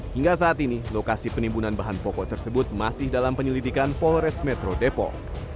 hingga saat ini lokasi penimbunan bahan pokok tersebut masih dalam penyelidikan polres metro depok